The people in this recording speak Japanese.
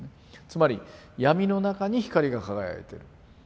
つまり闇の中に光が輝いてる。